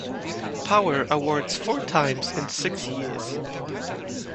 Power awards four times in six years.